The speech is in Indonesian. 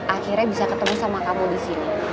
akhirnya bisa ketemu sama kamu disini